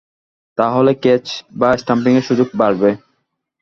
তা হলে ক্যাচ বা স্টাম্পিংয়ের সুযোগ বাড়বে।